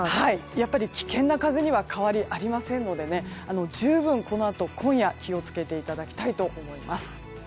やっぱり危険な風には変わりありませんので十分、今夜、気を付けていただきたいと思います。